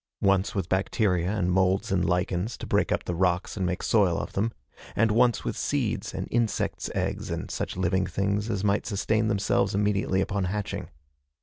Once with bacteria and moulds and lichens to break up the rocks and make soil of them, and once with seeds and insects eggs and such living things as might sustain themselves immediately upon hatching.